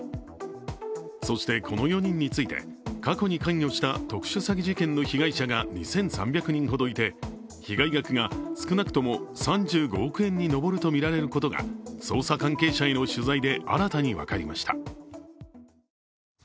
そしてこの４人について過去に関与した特殊詐欺事件の被害者が２３００人ほどいて被害額が少なくとも３５億円に上るとみられることが捜査関係者への取材で新たに分かりました。